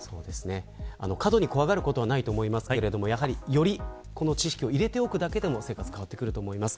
過度に怖がることはないと思いますがより、この知識を入れておくだけでも生活が変わってくると思います。